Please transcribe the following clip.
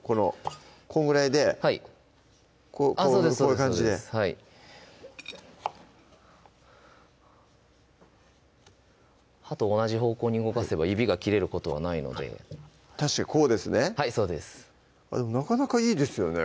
こんぐらいでこういう感じではい刃と同じ方向に動かせば指が切れることはないので確かにこうですねはいそうですなかなかいいですよね